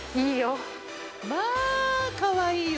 いいよ。